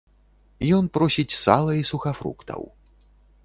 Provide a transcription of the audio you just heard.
Ён просіць сала і сухафруктаў.